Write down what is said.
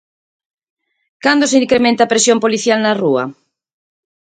Cando se incrementa a presión policial na rúa?